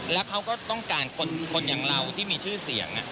แล้วเขาก็ต้องการคนอย่างเราที่มีชื่อเสียง